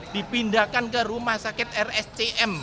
dipindahkan ke rumah sakit rscm